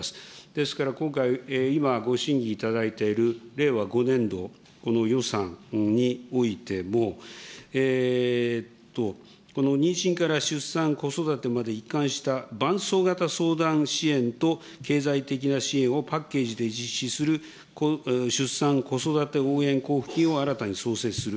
ですから今回、今、ご審議いただいている令和５年度、この予算においても、妊娠から出産、子育てまで一貫した伴走型相談支援と経済的な支援をパッケージで実施する、出産子育て応援交付金を新たに創設する。